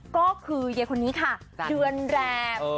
ก็คือยายคนนี้ค่ะเดือนแรม